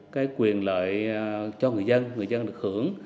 cái quyền lợi cho người dân người dân được hưởng